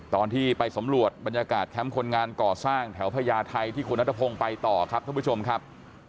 ตอนที่ไปสำรวจบรรยากาศแคมป์คนงานก่อสร้างแถวพญาไทยที่คุณนัทพงศ์ไปต่อครับท่านผู้ชมครับ